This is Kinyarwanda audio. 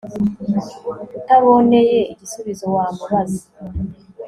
utaboneye igisubizo wa mubaza